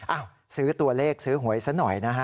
อ้าวซื้อตัวเลขซื้อหวยสักหน่อยนะฮะ